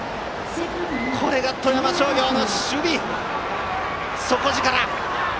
これが富山商業の守備と底力。